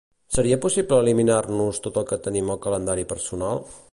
Seria possible eliminar-nos tot el que tenim al calendari personal?